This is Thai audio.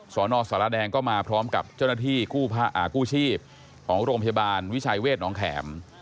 สนสารแดงก็มาพร้อมกับเจ้าหน้าที่กู้ชีพของโรงพยาบาลวิชัยเวทน้องแข็ม